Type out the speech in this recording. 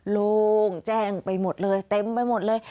โล่งแจ้งไปหมดเลยเต็มไปหมดเลย